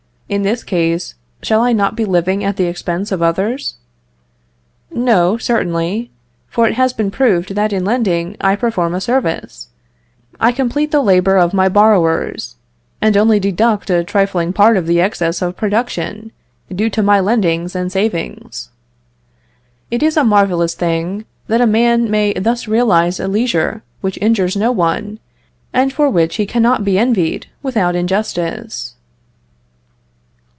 In this case, shall I not be living at the expense of others? No, certainly, for it has been proved that in lending I perform a service; I complete the labor of my borrowers; and only deduct a trifling part of the excess of production, due to my lendings and savings. It is a marvellous thing, that a man may thus realize a leisure which injures no one, and for which he cannot be envied without injustice."